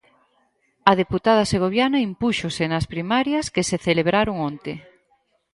A deputada segoviana impúxose nas primarias que se celebraron onte.